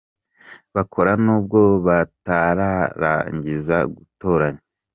bakora nubwo batararangiza Gutoranya.